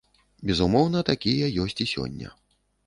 Безумоўна, такія ёсць і сёння.